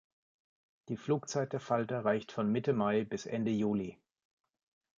Die Flugzeit der Falter reicht von Mitte Mai bis Ende Juli.